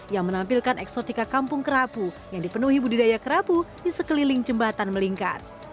yang menampilkan eksotika kampung kerapu yang dipenuhi budidaya kerapu di sekeliling jembatan melingkar